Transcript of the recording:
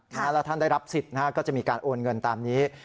แล้วท่านได้รับสิทธิ์ก็จะมีการโอนเงินตามนี้